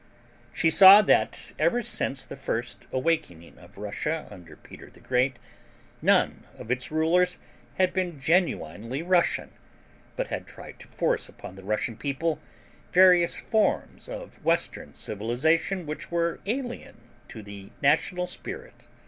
She saw that ever since the first awakening of Russia under Peter the Great none of its rulers had been genuinely Russian, but had tried to force upon the Russian people various forms of western civilization which were alien to the national spirit.